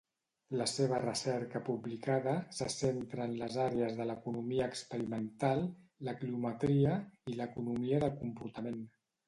La seva recerca publicada se centra en les àrees de l'economia experimental, la cliometria i l'economia del comportament.